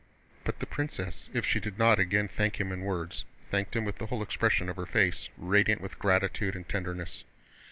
But the princess, if she did not again thank him in words, thanked him with the whole expression of her face, radiant with gratitude and tenderness.